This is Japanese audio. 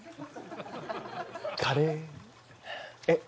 カレー？えっ？